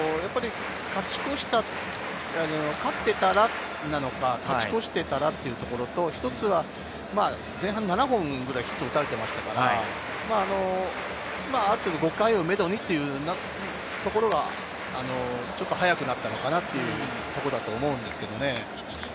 勝っていたらなのか、勝ち越してからなのか、前半７本くらいヒットを打たれていましたから、ある程度５回をメドにというところが、ちょっと早くなったのかなというところだと思います。